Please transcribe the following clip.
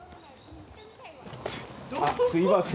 あっすいません。